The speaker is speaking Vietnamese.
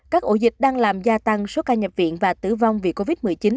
các ổ dịch đang làm gia tăng số ca nhập viện và tử vong vì covid một mươi chín